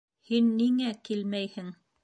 Һин ниңә килмәйһең?